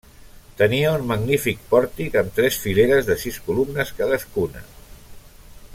Tenia un magnífic pòrtic amb tres fileres de sis columnes cadascuna.